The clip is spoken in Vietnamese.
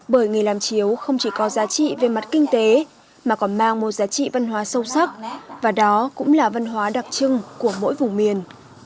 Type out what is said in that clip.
bởi nghề làm chiếu không chỉ có giá trị về mặt kinh tế mà còn mang một giá trị văn hóa sâu sắc và đó cũng là văn hóa đặc trưng của mỗi vùng miền